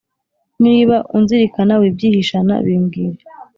Niba unzirikana wibyihishana bimbwire